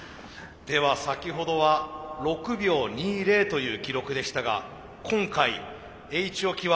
では先ほどは６秒２０という記録でしたが今回Ｈ置は目標タイム。